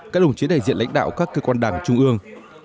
các đồng chí đại diện lãnh đạo các cơ quan đảng trung ương